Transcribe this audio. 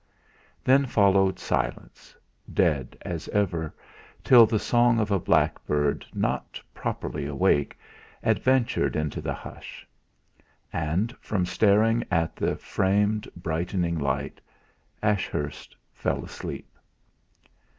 Then followed silence, dead as ever, till the song of a blackbird, not properly awake, adventured into the hush. And, from staring at the framed brightening light, Ashurst fell asleep.